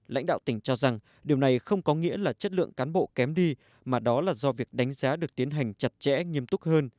lãnh đạo tỉnh cho rằng điều này không có nghĩa là chất lượng cán bộ kém đi mà đó là do việc đánh giá được tiến hành chặt chẽ nghiêm túc hơn